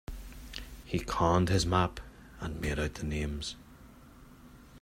He conned his map, and made out the names.